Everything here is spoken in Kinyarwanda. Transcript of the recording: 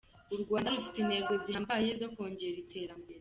U Rwanda rufite intego zihambaye zo kongera iterambere.